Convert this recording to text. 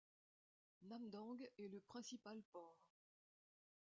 Namdang est le principal port.